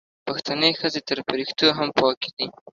پښتنې ښځې تر فریښتو هم پاکې دي